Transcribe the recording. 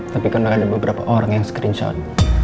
tapi karena ada beberapa orang yang screenshot